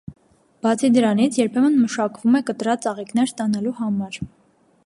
Բացի դրանից, երբեմն մշակվում է կտրած ծաղիկներ ստանալու համար։